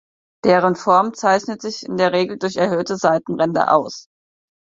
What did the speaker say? Deren Form zeichnet sich in der Regel durch erhöhte Seitenränder aus.